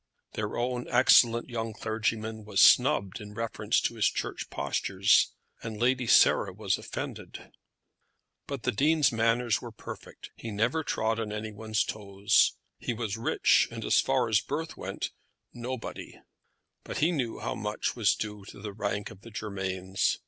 Their own excellent young clergyman was snubbed in reference to his church postures, and Lady Sarah was offended. But the Dean's manners were perfect. He never trod on any one's toes. He was rich, and as far as birth went, nobody, but he knew how much was due to the rank of the Germains.